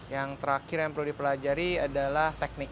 yang terakhir yang perlu dipelajari adalah teknik